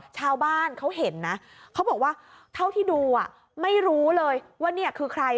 ชาวบ้านเขาเห็นนะเขาบอกว่าเท่าที่ดูไม่รู้เลยว่าเนี่ยคือใคร